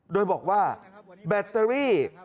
โดยบอกว่าแบตเตอรี่